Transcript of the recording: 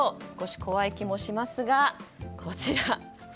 少し怖い気もしますが、こちら。